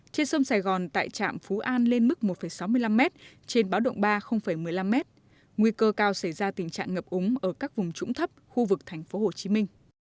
trên sông sài gòn tại trạm phú an lên mức một sáu mươi năm m trên báo động ba một mươi năm m nguy cơ cao xảy ra tình trạng ngập úng ở các vùng trũng thấp khu vực tp hcm